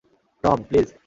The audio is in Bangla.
Tom, please!